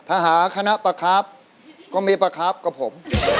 ถ้าหาคณะประคับก็มีประคับกับผม